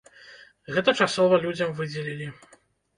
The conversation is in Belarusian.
Гэта часова людзям выдзелілі.